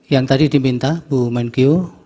yang tadi diminta bu menkyu